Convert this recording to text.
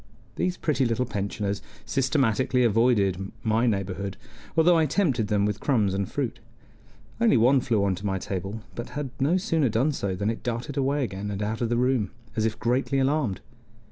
These pretty little pensioners systematically avoided my neighborhood, although I tempted them with crumbs and fruit; only one flew onto my table, but had no sooner done so than it darted away again, and out of the room, as if greatly alarmed.